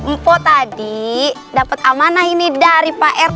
mpo tadi dapat amanah ini dari pak rt